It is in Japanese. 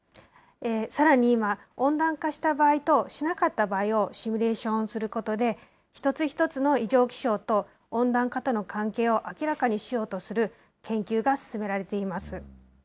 さらに今、温暖化した場合としなかった場合をシミュレーションすることで、一つ一つの異常気象と温暖化との関係を明らかにしようとする研究が進められています。